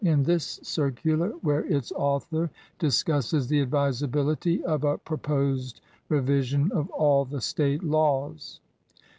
42 EARLY APTITUDES in this circular, where its author discusses the advisability of a proposed revision of all the State laws.